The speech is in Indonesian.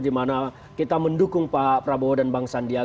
dimana kita mendukung pak prabowo dan bang sandiaga